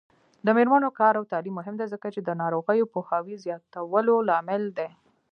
د میرمنو کار او تعلیم مهم دی ځکه چې ناروغیو پوهاوي زیاتولو لامل دی.